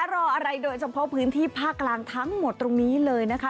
รออะไรโดยเฉพาะพื้นที่ภาคกลางทั้งหมดตรงนี้เลยนะคะ